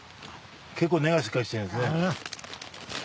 結構根がしっかりしてるんですね。